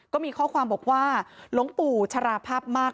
ก็มีข้อความบอกว่าหลวงปู่ชราภาพมาก